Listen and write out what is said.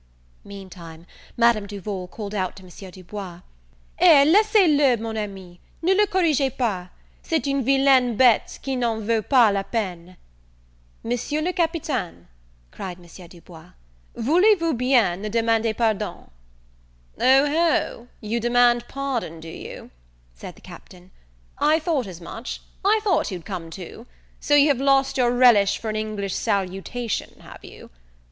Meantime, Madame Duval called out to M. Du Bois, "Eh, laissez le, mon ami, ne le corrigez pas; c'est une villaine bete qui n'en vaut pas la peine." "Monsieur le Capitaine," cried M. Du Bois, "voulez vous bien ne demander pardon?" "O ho, you demand pardon, do you?" said the Captain," I thought as much; I thought you'd come to; so you have lost your relish for an English salutation, have you?"